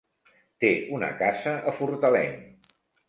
Té una casa a Fortaleny.